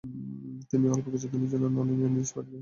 তিনি অল্প কিছুদিনের জন্য নানইয়াং এ নিজ বাড়িতে বসবাস করেন।